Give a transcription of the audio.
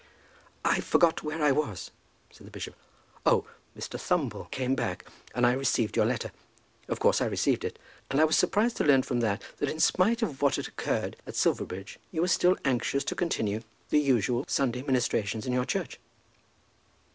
"I forget where I was," said the bishop. "Oh. Mr. Thumble came back, and I received your letter; of course I received it. And I was surprised to learn from that, that in spite of what had occurred at Silverbridge, you were still anxious to continue the usual Sunday ministrations in your church."